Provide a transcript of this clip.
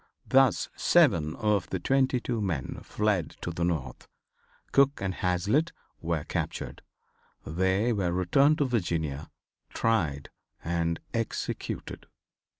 Thus seven of the twenty two men fled to the North. Cook and Hazlitt were captured. They were returned to Virginia, tried and executed.